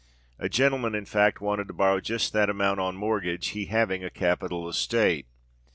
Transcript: A gentleman, in fact, wanted to borrow just that amount on mortgage, he having a capital estate.